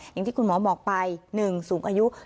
อย่างที่คุณหมอบอกไป๑สูงอายุ